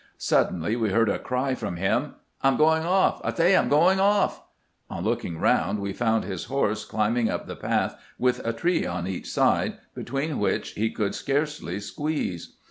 Suddenly we heard a cry from him :" I 'm going off ! I say, I 'm going off !" On look ing round, we found his horse climbing up the path with a tree on each side, between which he could scarcely squeeze.